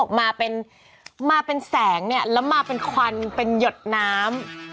เขาบอกมาเป็นแสงแล้วมาเป็นควันเป็นหยดน้ำ